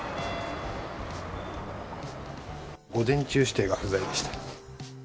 午前中指定が不在でした。